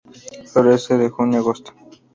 Florece de Junio a Agosto.